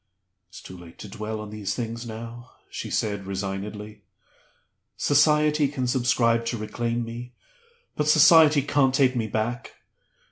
"It's too late to dwell on these things now," she said, resignedly. "Society can subscribe to reclaim me; but Society can't take me back.